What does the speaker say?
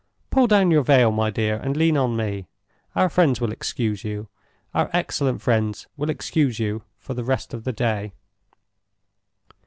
Pull down your veil, my dear, and lean on me. Our friends will excuse you; our excellent friends will excuse you for the rest of the day."